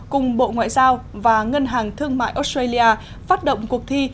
cùng bộ ngoại giao và ngân hàng thương mại australia phát động cuộc thi